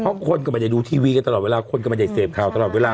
เพราะคนก็ไม่ได้ดูทีวีกันตลอดเวลาคนก็ไม่ได้เสพข่าวตลอดเวลา